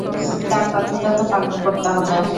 তাঁর কথাটা তো পালন করতে হবে।